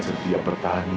semangat yang tinggi